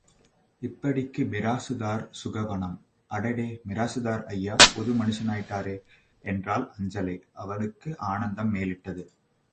இப்படிக்கு மிராசுதார் சுகவனம் அடடே மிராசுதார் ஐயா புது மனுஷராயிட்டாரே? என்றாள் அஞ்சலை அவளுக்கு ஆனந்தம் மேலிட்டது.